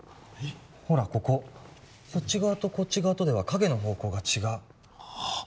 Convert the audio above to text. ほらこここっち側とこっち側とでは影の方向が違うあっ